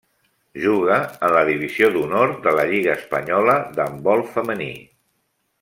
Juga en la Divisió d'Honor de la Lliga espanyola d'handbol femení.